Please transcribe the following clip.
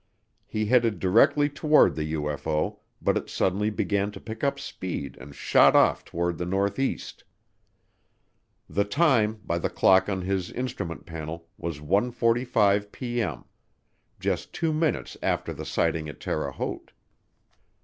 He headed directly toward the UFO, but it suddenly began to pick up speed and shot off toward the northeast. The time, by the clock on his instrument panel, was 1:45P.M. just two minutes after the sighting at Terre Haute.